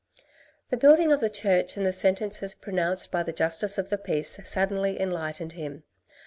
The building of the church and the sentences pronounced by the Justice of the Peace suddenly enlightened him.